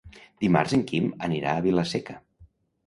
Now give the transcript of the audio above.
Dimarts en Quim anirà a Vila-seca.